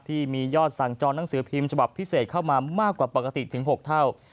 ที่มียอดสั่งจองหนังสือพิมพ์ฉบับพิเศษเข้ามามากกว่าปกติถึง๖เท่า